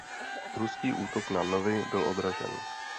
Ruský útok na Novi byl odražen.